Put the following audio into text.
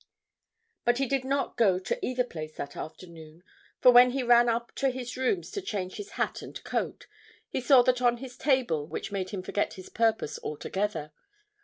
But he did not go to either place that afternoon, for when he ran up to his rooms to change his hat and coat, he saw that on his table which made him forget his purpose altogether.